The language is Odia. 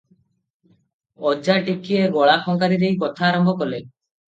ଅଜା ଟିକିଏ ଗଳା ଖଙ୍କାରି ଦେଇ କଥା ଆରମ୍ଭ କଲେ